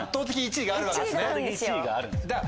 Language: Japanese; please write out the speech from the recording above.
１位があるんですよ。